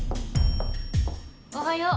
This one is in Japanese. おはよう。